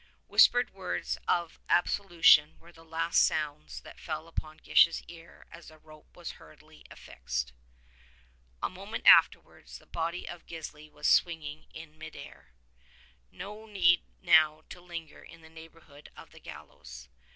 Whispered words of absolution were the last sounds that fell upon Gish's ear as the rope was hurriedly affixed. y 55 A moment afterwards, the body of Gisli was swinging in mid air. No need now to linger in the neighborhood of the gallows.